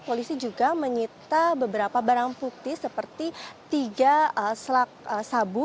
polisi juga menyita beberapa barang bukti seperti tiga selak sabu